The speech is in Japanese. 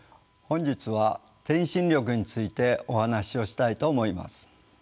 本日は「転身力」についてお話をしたいと思います。